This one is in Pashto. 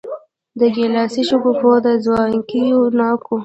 د ګیلاسي شګوفو د ځوانکیو ناکو